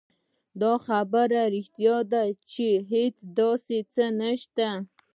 دا خبره رښتيا ده چې هېڅ داسې شی نشته